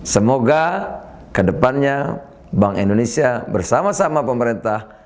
semoga kedepannya bank indonesia bersama sama pemerintah